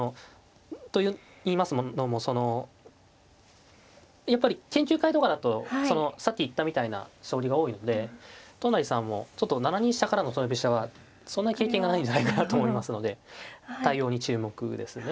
といいますのもやっぱり研究会とかだとさっき言ったみたいな将棋が多いので都成さんもちょっと７二飛車からの袖飛車はそんなに経験がないんじゃないかなと思いますので対応に注目ですね。